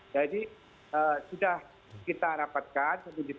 jadi sudah kita rapatkan